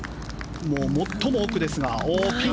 最も奥ですが。